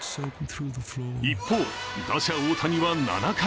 一方、打者・大谷は７回。